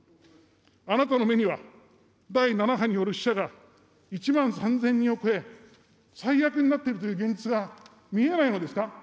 あなたの目には、第７波による死者が１万３０００人を超え、最悪になっているという現実が見えないのですか。